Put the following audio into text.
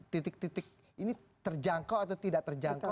titik titik ini terjangkau atau tidak terjangkau